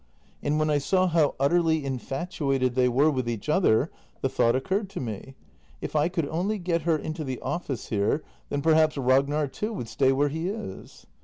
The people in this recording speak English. And when I saw how utterly infatuated they were with each other, the thought occurred to me: if I could only get her into the office here, then perhaps Ragnar too would stay where he is.